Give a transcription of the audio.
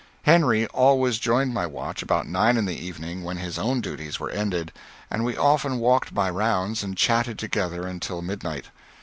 Henry always joined my watch about nine in the evening, when his own duties were ended, and we often walked my rounds and chatted together until midnight.